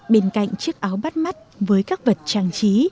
bên cạnh chiếc áo bắt mắt với các vật trang trí